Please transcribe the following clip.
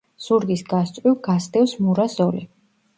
ზურგის გასწვრივ გასდევს მურა ზოლი.